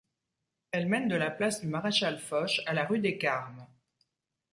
Elle mène de la place du Maréchal-Foch à la rue des Carmes.